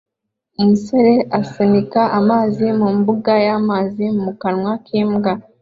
Umusore asunika amazi mu mbunda y'amazi mu kanwa k'imbwa